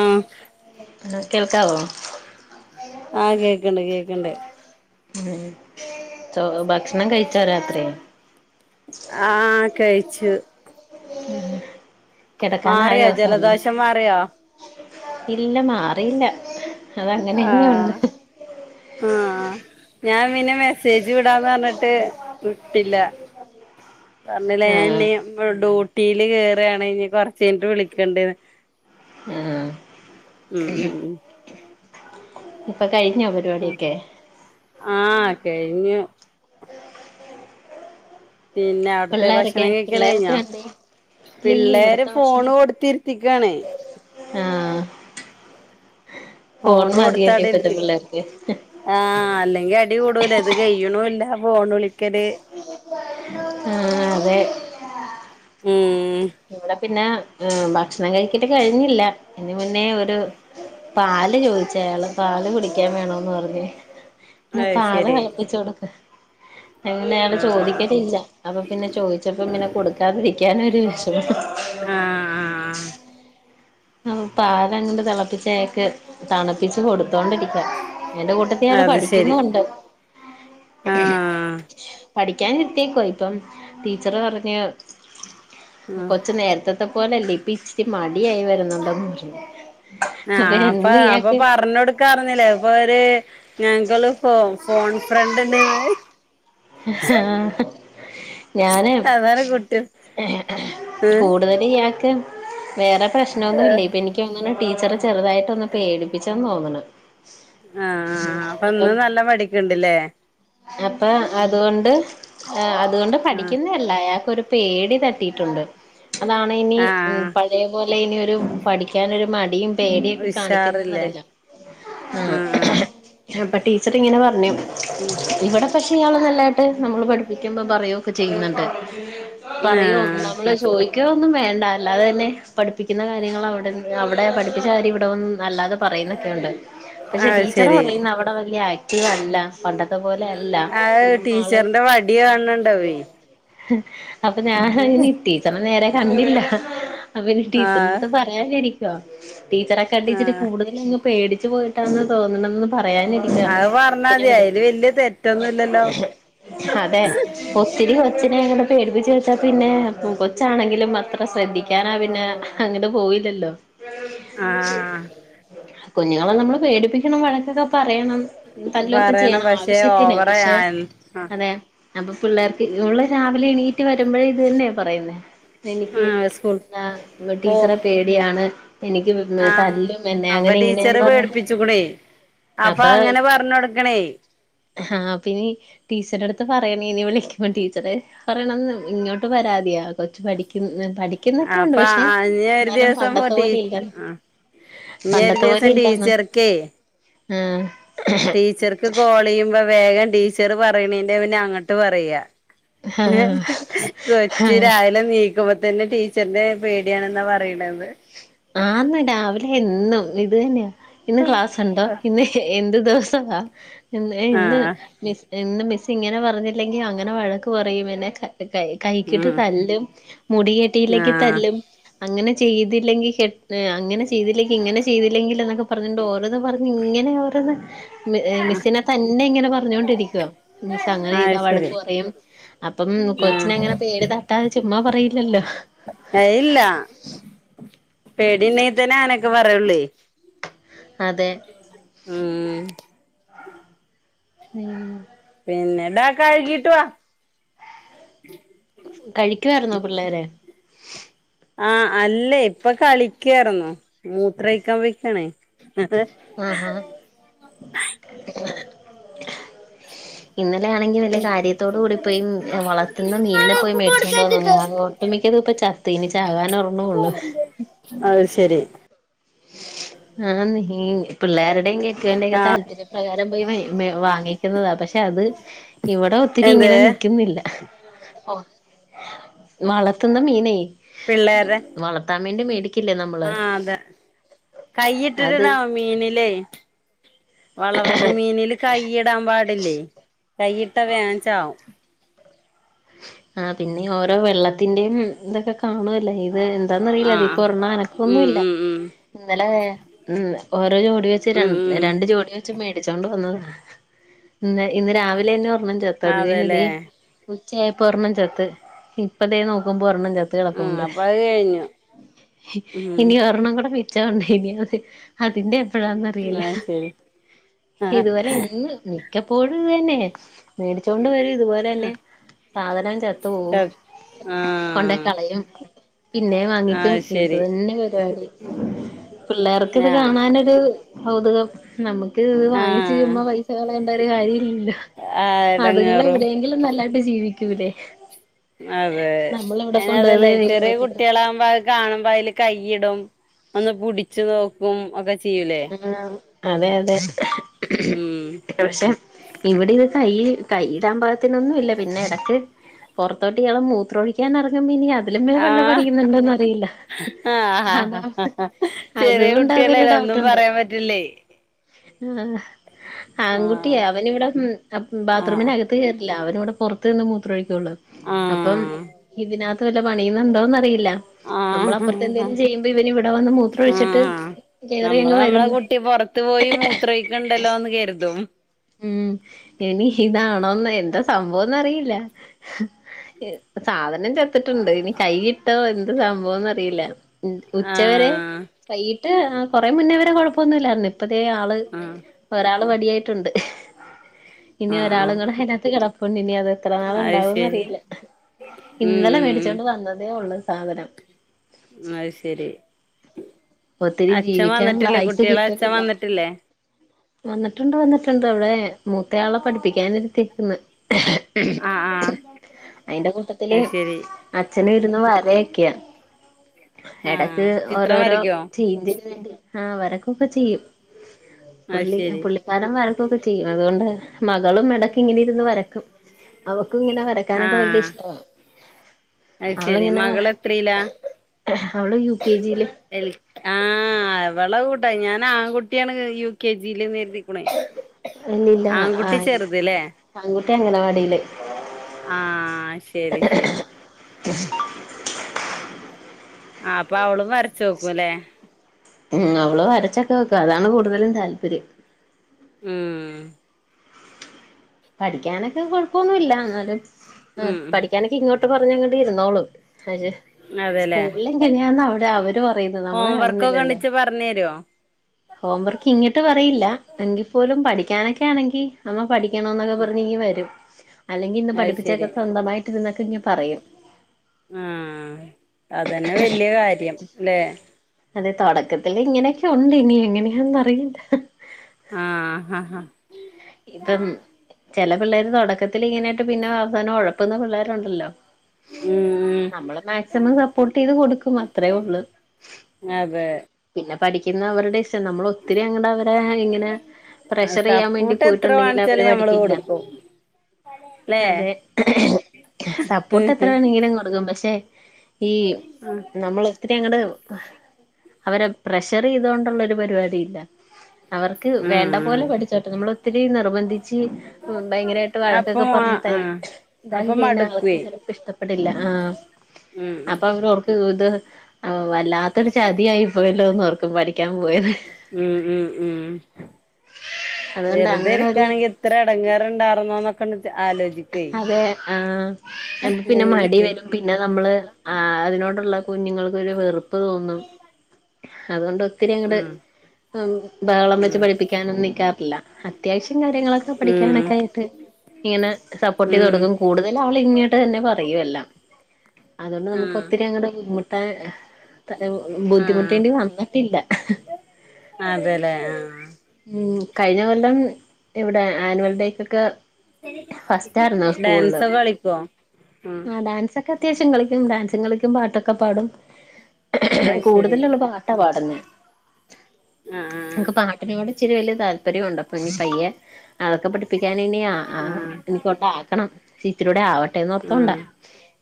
ആഹ് എ കേൾക്കാവോ ആഹ് കേക്കണ്ട് കേൾക്കണ്ട് ഉം ചോ ഭക്ഷണം കഴിച്ചോ രാത്രി ആഹ് കയിച്ചു ഉം മാറിയോ കെടക്കനായോ സമയ ജലദോഷം മാറിയോ ഇല്ല മാറിയില്ല അതങ്ങനെ തന്നെയുണ്ട് ആഹ് ആഹ് ഞാൻ പിന്നെ മെസ്സേജ് വിടാന്ന് പറഞ്ഞിട്ട് വിട്ടില്ല പറഞ്ഞില്ലേ ഞാൻ ആഹ് ഇനി ഡ്യൂട്ടിയിൽ കേറാണ്. ഇനി കൊറച്ച് കഴിഞ്ഞിട്ട് വിളിക്ക്ണ്ട്ന്ന്. ആഹ് ഉം ഉം ഉം ഇപ്പൊ കഴിഞ്ഞോ ഉം പരിപാടിയൊക്കെ ആഹ് കഴിഞ്ഞു പിന്നെ അവിടത്തെ പിള്ളേരൊക്കെ ഭക്ഷണം കഴിക്കല് പിള്ളേരൊക്കെ കഴിഞ്ഞാ എന്തേ ഇല്ലില്ല പിള്ളേര് ഇവിടത്തെ ഫോണ് ഭക്ഷണം കൊടുത്തിരുത്തിക്കാണ് ആഹ് ഫോൺ ഫോണ് മതിയല്ലോ കൊടുത്തവിടെ ഇപ്പൾത്തെ ഇരുത്തി പിള്ളേർക്ക് ആഹ് അല്ലെങ്കിൽ അടി കൂടൂല്ലേ ഇത് കഴിയണൂല്ല ഫോണ് വിളിക്കല് ആഹ് അതെ ഉം ഇവിടെ പിന്നെ ഭക്ഷണം കഴിച്ചിട്ട് കഴിഞ്ഞില്ല അതിന് മുന്നേ ഒരു പാല് ചോദിച്ചയാള് പാല് കുടിക്കാൻ വേണന്ന് പറഞ്ഞു എന്ന അത് പാല് ശരി തെളപ്പിച്ച് കൊടുക്ക് അങ്ങനെ അയാള് ആഹ് ചോദിക്കത്തില്ല അപ്പൊ പിന്നെ ചോദിച്ചപ്പോ പിന്നെ കൊടുക്കാതിരിക്കാനും ഒരു വിഷ ആഹ് അപ്പോ പാലങ്ങട് തിളപ്പിച്ച് അയാൾക്ക് തണുപ്പിച്ച് കൊടുത്തോണ്ടിരിക്ക അതിന്റെ കൂട്ടത്തി അയാള് ആഹ് അത് ശരി പഠിക്കുന്നുമുണ്ട് ആഹ് പഠിക്കാൻ ഇരുത്തിയേക്കുവാ ഇപ്പം ടീച്ചറ് പറഞ്ഞ്. ആഹ് കൊച്ച് നേരത്തത്തെ പോലല്ല ഇപ്പ ഇച്ചിരി മടിയായി വരുന്നുണ്ടോന്നു പറഞ്ഞ് ആഹ് അപ്പ അപ്പൊ പറഞ്ഞ് കൊടുക്ക അപ്പോ പറഞ്ഞില്ലേ ഇപ്പൊ ഒരു ഞങ്ങള് ഇപ്പോ ഫോ ഫോൺ ഫ്രണ്ട് ഉണ്ടെന്ന് ഹാ ഞാന് അതാണ് കുട്ടി ഏഹ് കൂടുതൽ ഇയാക്ക് വേറെ പ്രശ്നൊന്നുലെ ഇപ്പം എനിക്ക് അങ്ങനെ ടീച്ചർ ചോ ചെറുതായിട്ടൊന്ന് പേടിപ്പിച്ചെന്ന് തോന്ന്ണ് ആഹ് ആഹ് ആഹ് അപ്പൊ ഇന്ന് നല്ലപഠിക്ക്ണ്ട്ല്ലേ അപ്പ അതുകൊണ്ട് അതുകൊണ്ട് ആഹ് പഠിക്കുന്ന അല്ല അയാക്കോരു പേടി തട്ടിയിട്ടുണ്ട് അതാണ് ഇനി ആഹ് പ അതേപോലെ ഇനിയൊരു പഠിക്കാനൊരു മടിയും പേടിയൊക്കെ ഉഷാറില്ലേ കാണിക്കുന്നേന്നറിയില്ല ആഹ് അപ്പൊ ടീച്ചർ ഇങ്ങനെ പറഞ്ഞു ഉം ഇവിടെ പക്ഷെ ഇയാള് നല്ലതായിട്ട് നമ്മള് പഠിപ്പിക്കുമ്പോ പറയൊക്കെ ചെയ്യുന്നുണ്ട് പറയോ ആഹ് നമ്മള് ചോദിക്കുക ഒന്നും വേണ്ട അല്ലാതെ തന്നെ പഠിപ്പിക്കുന്ന കാര്യങ്ങൾ അവിടെ അവിടെ പഠിപ്പിച്ച കാര്യം ഇവിടെ വന്ന് അല്ലാതെ പറയുന്നൊക്കെയുണ്ട്. പക്ഷെ അത് ടീച്ചർ ശരി പറയുന്ന അവിടെ വലിയ ആക്റ്റീവ് അല്ല പണ്ടത്തെ പോലെ അല്ല അത് ആള് ടീച്ചറിന്റെ വടി കാണ്ണ്ടാവേ അപ്പൊ ഞാൻ ഇനി ടീച്ചറിനെ നേരെ കണ്ടില്ല അപ്പൊ ഇനി ടീച്ചറിന്റെ ആഹ് പറ പറയാനിരിക്ക ടീച്ചറൊക്കണ്ടിട് ഇച്ചിരി ആഹ് കൂടുതല അങ്ങ് പേടിച്ച് പോയിട്ടാന്ന് തോനണേന്ന് പറയാനിരിക്കുവ. അത് പറഞ്ഞാ പിന്നെ മതി വിട് അതില് വലിയ തെ അതെ. ഒത്തിരി കൊച്ചിനെ അങ്ങനെ പേടിപ്പിച്ച് വെച്ചാ പിന്നെ കൊച്ചാണെങ്കിലും അത്ര ശ്രദ്ധിക്കാനാ പിന്നെ. അങ്ങനെ പോവില്ലല്ലോ. ആഹ് കുഞ്ഞുങ്ങളെ നമ്മള് പേടിപ്പിക്കണം വഴക്കൊക്കെ പറയണം. തല്ലൊക്കെ പറയണം ചെയ്യണം പക്ഷെ ആവശ്യത്തിന് ഓവറായി പഷെ ആഹ് അതെ അപ്പൊ പിള്ളേർക്ക് ഇവള് രാവിലെ എണീറ്റ് വര്മ്പഴേ ഇതെന്ന്യാ പറയുന്നേ. എനിക്ക് ആഹ് സ്കൂൾ എന്താ പോ ടീച്ചറേ പേടിയാണ്. എനിക്ക് പി ആഹ് തല്ലും എന്നെ അപ്പൊ അങ്ങനെ ഇങ്ങനേന്ന് പർഞ്ഞ അപ്പങ്ങനെ പർഞ്ഞൊടുക്കണെയ്. ഹാ പിന്നീ ടീച്ചറെട്ത്ത് പറയ്ണിനി വിളിക്കുമ്പോ ടീച്ചറെ. പറയണന്ന് ഇങ്ങോട്ട് പരാത്യ കൊച്ച് പഠിക്ക പഠി ക്കുന്നൊക്ക്യൊണ്ട് അപ്പൊ പഷെ ഇനി ഒരു ഇന്നാലും ദിവസം പണ്ടത്തെ ടീ പോലെ ഇല്ല. ഇനി ഒരു പണ്ടത്തെ പോലെ ദിവസം ഇല്ലാന്ന് ടീച്ചർക്കേ ആഹ് ടീച്ചർക്ക് കോളെയ്യുമ്പം വേഗം ടീച്ചറ് പറയ്ണേന്റെ മുന്നെ അങ്ങട്ട് പറയ. ഏഹ് ആഹ് കൊച്ച് ആഹ് രാവിലെ നീ ക്കുമ്പ തന്നെ ടീച്ചർനെ പേട്യാണ് ന്ന പറയ്ണേന്ന്. ആന്ന് രാവ് ലെ എന്നും ഇതെന്ന്യാ ഇന്ന് ക്ലാസ്സിണ്ടോ ഇന്ന് എന്ത് ദിവസവാ? ഇന്ന് ഏഹ് ആഹ് മിസ് ഇന്ന് മിസ് ഇങ്ങനെ പറഞ്ഞില്ലെങ്കി അങ്ങനെ വഴക്ക് പറയും എന്നെ ക കൈ കൈക്കിട്ട് ഉം തല്ലും മുടി കെട്ടീല്ലേങ്കി ആഹ് തല്ലും അങ്ങനെ ചെയ്തില്ലെങ്കി കെ ഏഹ് അങ്ങന ചെയ്തില്ലെങ്കി ഇങ്ങനെ ചെയ്തില്ലെങ്കില്ന്നൊകെ പർഞ്ഞോണ്ട് ഓരോന്ന് പർഞ്ഞ് ഇങ്ങനെ ഓരോന്ന് മ് ഏഹ് മിസ്സിനെ തന്നെ ഇങ്ങനെ പറഞ്ഞോണ്ടിരിക്കുവ. മിസ്സങ്ങനെ അത് ചെയ്താ ശരി വഴക്ക് പറയും അപ്പം ആഹ് കൊച്ചിനങ്ങനെ. പേടി തട്ടാതെ ചുമ്മാ പറയില്ലല്ലോ? അയില്ല. പേടിണ്ടങ്കി തന്നെ അങ്ങനൊക്കെ പറയൊള്ളേ. അതെ. ഉം അയ്യൊ പിന്നെ ബേ കഴുകീട്ട്വാ. കഴിക്കുവാരുന്നോ പിള്ളേര്? ആഹ് അല്ലേ ഇപ്പ കളിക്കാറ്ന്നു മൂത്രൊയ്ക്കാൻ പൊയ്കാണേയ് [unintelligible] ആഹാ ഇന്നലെ ആണെങ്കി വല്ല്യ കാര്യത്തോട് കൂടി പോയി വളത്തുന്ന മീൻനെ ഇങ്ങള് പോയി മേടിച്ച് കൊണ്ട് വന്ന കൊടുക്കരുത്ട്ടോ [unintelligible] അമിക്കത് ഇപ്പ ചത്ത് ഇനി ചാകൻ ഒരണ്ണവൊള്ള് അഹ് ശരി ആന്നേ ഈ പിള്ളാരിടെം കെട്ട്യോന്റെ ഒക്കെ ആഹ് താല്പര്യം പ്രകാരം പോയി വാങ്ങിക്കുന്നതാ പഷെ അത് ഇവടെ ഒത്തിരി എന്ത് ഇങ്ങനെ നിക്കുന്നില്ല വളത്തുന്ന മീനേയ് പിള്ളേരുടെ വളത്താൻ വേണ്ടി മേടിക്കില്ലേ നമ്മള് ആഹ് അതെ അത് കൈയിട്ടിട്ട്ണ്ടാവും മീനിലേയ് വളർത്ത് മീനില് കൈയ്യിടാൻ പാടില്ലേയ് കൈയിട്ട വേം ചാവും ആഹ് പിന്നെ ഈ ഓരോ വെള്ളത്തിന്റെം ഇതൊക്കെ കാണ്വോല്ലേ ഇത് എന്താന്നറീല്ല ആഹ് അതിപ്പൊ ഒര്ണ്ണം ഉം അനക്കോന്നുല്ല ഉം ഉം ഇന്നലെ ഉം ഓരോ ജോഡി വെച്ച് ഉം രൺ ഉം രണ്ട് ജോഡി വെച്ച് മേടിച്ചോണ്ട് വന്നതാ ഇന്ന് രാവിലെന്നെ ഒര്ണ്ണം ച ത്ത് അത് കഴിഞ് ഇതേ അതെല്ലേ ഉച്ചയായപ്പം ഒര്ണ്ണം ചത്ത് ഇപ്പതേ നോക്കുമ്പം ഒര്ണ്ണം ച ത്ത് ഉം കെടപ്പൊണ്ട് അപ്പൊ അത് കഴിഞ്ഞു ഉം ഇനി ഒര്ണ്ണം കൂടെ മി ച്ചവൊണ്ട് ഇനി അത് അതിന്റെ പ്പഴാ ന്നറിയില്ല അത് ശരി ആഹ് ഇതുവരെ എന്നും മിക്കപ്പോഴും ഇത് തന്നെ മേടിച്ചോണ്ട് വരും ഇതുപോലെ തന്നെ സാധനം ചത്ത് പോവും കൊണ്ട ആഹ് കളയും പിന്നെ വാങ്ങിക്കും അത് ഇത് ശരി തന്നെ പരിപാടി പിള്ളേർക്ക് ഇത് ആഹ് കാണാനൊരു കൗതുകം നമ്മുക്ക്ത് വാങ്ങിച്ച ആഹ് ചെയ്യുമ്പ പൈസ കളയേണ്ട ഒരു കാര്യവും ഇല്ല ആഹ് അത്ങ്ങള് എടങ്ങേറും എവിടെയെങ്കിലും നല്ലായിട്ട് ജീവിക്കും അതെ നമ്മള് ഇവിടെ അയ്ന് കൊണ്ടുവന്ന് അതല്ലേ ചെറിയ കഴിയുമ്പത്തേക്കും കുട്ടികളാ അപ്പത് കാണുമ്പോ അയ്ല് കൈയിടും ഒന്ന് പുടിച്ചു നോക്കും ഒക്കെ ചെ ആഹ് അതെ അതെ ഉം പക്ഷെ ഇവിടെ ഇത് കൈ കൈയിടാമ്പാകത്തിനൊന്നും ഇല്ല പിന്നെ എടക്ക് പുറത്തോട്ട് ഇയാള് മൂത്രോഴിക്കാൻ ഇറങ്ങുമ്പോ ഇനി അത് [unintelligible] ആഹ് പഠിക്കുന്നുണ്ടോറിയില്ല അ ആഹ് ചെറിയ അതുകൊണ്ടതൊരു കുട്ടികളല്ലേ ഒന്നും ഡൌട്ട് പറയാൻ പറ്റില്ലേയ് ആഹ് ആൺകുട്ടിയ ആഹ് അവൻ ഇവിടെ ആഹ് ബാത്റൂമിനകത്ത് ല്ല അവനിവിടെ പൊറത്ത് നിന്ന് മൂത്രൊഴിക്കുള്ളൂ അപ്പം ആഹ് ഇതിനകത്ത് അല്ല പണിയു ന്നുണ്ടോന്ന് അറിയില്ല നമ്മൾ അപ്പുറത്തെ ആഹ് എന്തെങ്കിലും ചെയ്യുമ്പോ ഇവന് ഇവിടെ വന്ന് മൂത്രം ഒഴിച്ചിട്ട് ആഹ് നമ്മള് നമ്മളെ കുട്ടി പൊറത്തു പോയി മൂത്രയ്ക്ക്ണ്ടല്ലോ എന്ന് കരുതും ഉം ഇനി ഇതാണോന്ന് എന്താ സംഭവന്ന് അറിയില്ല സാധനം ചത്തിട്ടുണ്ട് ഇനി കൈ ഇട്ടോ എന്ത സംഭവംന്നറിയില്ല ഉച്ചവരെ ആഹ് കൈകിട്ട് ആ കൊറെ മുന്നേ വരെ കൊഴപ്പന്നുല്ലായിന്ന് ഇപ്പതേ ആള് ആഹ് ഒരാള് വടിയായിട്ടുണ്ട് ഇനി ആഹ് ഒരാള് കൂടെ അതിനകത്ത് കിടപ്പുണ്ട് ഇനി അത് എത്രനാള് അത് ശരി ഉണ്ടാവുംന്നറിയില്ല ഇന്നലെ ഉം മേടിച്ചൊണ്ട് വന്നതേ ഉള്ളൂ സാധനം അഹ് ശരി ഒത്തിരി അച്ഛൻ ജീവിക്കാനുള്ള വന്നിട്ടില്ലേ ആയുസ്സ് കുട്ടികളെ അച്ഛൻ കിട്ടത്തില്ല വന്നിട്ടില്ലേ വന്നിട്ടുണ്ട് വന്നിട്ടുണ്ട് അവിടെ മൂത്തയാളെ പഠിപ്പിക്കാനിരുത്തിക്ക്ന്ന് ആഹ് ആഹ് അയിന്റെ കൂട്ടത്തില് അത് ശരി അച്ഛനിരുന്ന് വരയൊക്കെയ എടക്ക് ആഹ് ചിത്രം ഓരോരോ വരയ്ക്കോ രീതി ആ വരക്കൊക്കെ ചെയ്യും അത് പുള്ളി ശരി പുള്ളി പടം വരക്കൊക്കെ ചെയ്യും അതുകൊണ്ട് മകളും എടക്ക് ഇങ്ങനെ ഇരുന്ന് വരക്കും അവക്ക് ഇങ്ങനെ വരക്കു വരക്കാനൊക്കെ വല്ല്യ ആഹ് ഇഷ്ടവാ അത് ശരി അവളിങ്ങനെ മകള് എത്രയിലാ അവള് യു കെ ജിയില് എൽ ആ അവളെ കൂട്ടാ ഞാൻ ആൺകുട്ടിയാണ് യു കെ ജില്ന്ന് കരുതീക്കുണ് ഇല്ലില്ല ആ ആൺകുട്ടി അഗംടവാടില് ആ ശെരി ശെരി ആ അപ്പൊ അവളും വരച്ചു നോക്കുവല്ലേ ഉ അവള് വരച്ചൊക്കെ വെക്കും അതാണ് കൂടുതലും താല്പര്യം ഉം ഉം പഠിക്കാനൊക്കെ കൊഴപ്പൊന്നുല്ല എന്നാലും ഉം പഠിക്കാനൊക്കെ ഇങ്ങോട്ട് പറഞ്ഞാങ്ങണ്ട് ഇരുന്നോളും അ അതെല്ലേ സ്കൂളിൽ എങ്ങനെയാന്ന്ടെ അവര് പറയുന്ന പോ നമ്മളെ ഹോംവർക്കൊക്കെ കാണുന്നില്ലല്ലോ ഉണ്ടിച്ച് പറഞ്ഞ് തരുവോ ഹോം വർക്ക് ഇങ്ങിട്ട് പറയില്ല എങ്കിൽപ്പോലും പഠിക്കാനൊക്കെ ആണെങ്കി അമ്മ പഠി പഠിക്കണോന്നൊക്കെ പറഞ്ഞിങ്ങ് വരും അല്ലെങ്കിൽ ഇന്ന് അത് പഠിപ്പിച്ചൊക്കെ ശരി സ്വന്തമായിട്ടിരുന്നൊക്കെ ഇങ്ങ്പറയും ആ അതന്നെ വല്യ കാര്യം ല്ലേ അതെ തുടക്കത്തിലിങ്ങനെയൊക്കെ ഉണ്ട് ഇനി എങ്ങനെയാന്നറിയില്ല ആഹ ആഹ ഹാ ഇപ്പം ചെല പിള്ളേര് തുടക്കത്തിലിങ്ങനെയായിട്ട് പിന്നെവസാനം ഉഴപ്പുന്ന പിള്ളേരുണ്ടല്ലോ ഉം നമ്മളും മാക്സിമം സപ്പോർട്ട് ചെയ്ത് കൊടുക്കും അത്രേ ഉള്ളൂ അതെ പിന്നെ പഠിക്കുന്നവരുടെ ഇഷ്ടം നമ്മളൊത്തിരി അങ്ങടെ അവരെ ഇങ്ങനെ പ്രഷർ ചെയ്യാൻ വേണ്ടി സപ്പോട്ട് എത്ര ണ്ടെങ്കിൽ അവര് വാങ്ങിച്ചാലും ഞമ്മള് പഠിക്കില്ല കൊടുക്കും ല്ലേ അതെ സപ്പോർട്ട് എത്രവേണേ ഇങ്ങനെയങ്ങു കൊടുക്കും പക്ഷെ ഈ നമ്മള് ഇത്തിരിയങ്ങട് അവരെ പ്രഷർ ചെയ്തോണ്ടുള്ള ഒരു പരിപാടിയില്ല അവർക്ക് വേണ്ട ഉം പോലെ പഠിച്ചോട്ടെ നമ്മളൊത്തിരി നിർബന്ധിച്ച് ഉം ഭയങ്കരമായിട്ട് അപ്പൊ വഴക്കൊക്കെ പറഞ്ഞിട്ടായിരി ആഹ് അപ്പൊ ഇതാക്കിക്കഴിഞ്ഞാൽ ആൾക്ക് മടുക്കുവേ ചിലപ്പ ഇഷ്ടപ്പെടില്ല ആ ഉം ഇത് [unintelligible] വല്ലാത്തൊരു ചതിയായിപ്പോയല്ലോന്നോർക്കും പഠിക്കാൻ പോയത് ഉം ഉം ഉം അതുകൊണ്ട് അങ്ങനെ ഒരു വെറുതെരിക്കാണെങ്കിലെത്ര ഇടങ്ങേറണ്ടായിരുന്നൂന്നൊക്കെ ആലോചി അതെ ആഹ് എന്ന് പിന്നെ മടി വരും പിന്നെ നമ്മള് ആ അതിനോടുള്ള കുഞ്ഞുങ്ങൾക്കൊരു വെറുപ്പ് തോന്നും അതുകൊണ്ട് ഒത്തിരിയങ്ങട് ഉം ബഹളം വെച്ച് ഉം പഠിപ്പിക്കാനൊന്നും നിക്കാറില്ല അത്യാവശ്യം കാര്യങ്ങളൊക്കെ ഉം പഠിക്കാനൊക്കെയായിട്ട് ഇങ്ങനെ സപ്പോർട്ട് ചെയ്ത് ഉം കൊടുക്കും കൂടുതൽ അവള് ഇങ്ങോട്ട് തന്നെ പറയുവെല്ലാം അതുകൊണ്ട് നമുക്ക് ആഹ് ഒത്തിരിയങ്ങടെ ബുദ്ധിമു [unintelligible] ആഹ് ബുദ്ധിമുട്ടേണ്ടി വന്നിട്ടില്ല അതെല്ലേ ആഹ് ആഹ് കഴിഞ്ഞ കൊല്ലം ഇവിടെ ആനുവൽ ഡേയ്ക്കൊക്കെ ഫസ്റ്റായിരുന്നു സ്കൂളില് ഡാൻസ് ഒക്കെ കളിക്കോ ഉം ആ ഡാൻസൊ ക അത്യാവശ്യ കളിക്കും ഡാൻസും കളിക്കും പാട്ടൊക്കെ പാടും അത് ശരി കൂടുതലുമവള് പാട്ടാ പാടുന്നെ ആ ആ നെനക് പാട്ട് അതിനോടിച്ചിരി വലിയ താല്പര്യമുണ്ട് അപ്പൊ ഇനി പയ്യെ അതൊക്കെ പഠിപ്പിക്കാൻ ഇനി ആ ആ ഇനികൊണ്ടാക്കണം ഇച്ചിരിയൂടെ ആ ആവട്ടെന്നോർത്തോണ്ടാ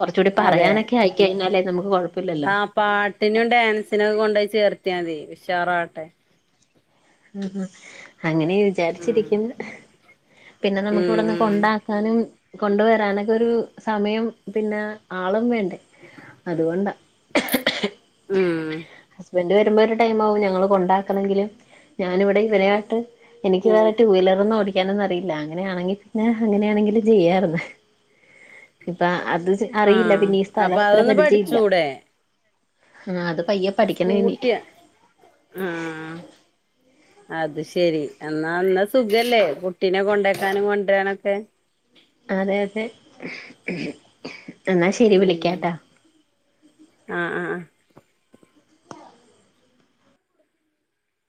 കുറച്ചുകൂടി അതെ പറയാനൊക്കെ ആയി എന്നാലേ നമുക് കുഴപ് ആ പാട്ടിനും ഡാൻസിനും ഒക്കെ കൊണ്ടോയി ചേർത്തിയാ മതി ഉഷാറാട്ടെ ഉഹും അങ്ങനെ ഉം വിചാരിച്ചിരിക്കുന്നു പിന്നെ നമുക്ക് ഇവിടന്ന് കൊ ഉം കൊണ്ടാക്കാനും കൊണ്ടുവരാനൊക്കെ ഒരു സമയം പിന്നെ ആളും വേണ്ടേ അതുകൊണ്ടാ ഉം ഇവന്റ് വരുമ്പോ ഒരു ടൈംമാവും ഞങ്ങള്ൾ കൊണ്ടാക്കണെങ്കിലും ഞാന് ഇവിടെ ഇവനയിട്ട് എനിക്ക് വേറെ ഉം ടുവിലർ ഒന്നും ഓടി കാനൊന്നറിയില്ല അങ്ങനെയാണെങ്കിൽ പിന്നെ അങ്ങനെയാണെങ്കിലും ചെയ്യാറ്ന്ന് ഇപ്പ അത് ചെ ആ അറിയില്ല പിന്നെ ഈ അപ്പൊ സ്ഥലംത്ര അതൊന്ന് പരിചയല്ല പഠിച്ചൂടെ ആഹ് അത് പയ്യ സ്കൂട്ടിയ ആഹ് അത് ശരി എന്നാ അന്ന സുഖല്ലേ കുട്ടീനെ കൊണ്ടേക്കാനും കൊണ്ടുവരാനൊക്കെ അതെ അതെ എന്നാ ശരി വിളിക്കാട്ടാ ആഹ് ആ